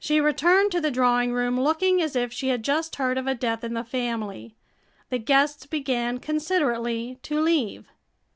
She returned to the drawing room looking as if she had just heard of a death in the family. The guests began considerately to leave.